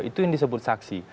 itu yang disebut saksi